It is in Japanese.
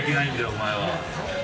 お前は！